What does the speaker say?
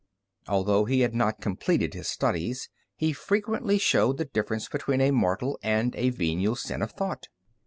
Although he had not completed his studies, he frequently showed the difference between a mortal and a venial sin of thought.